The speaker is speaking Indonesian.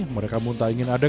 mereka pun tak ingin ada